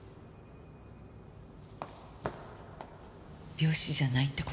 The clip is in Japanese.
病死じゃないって事？